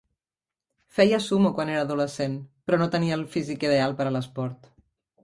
Feia sumo quan era adolescent, però no tenia el físic ideal per a l'esport.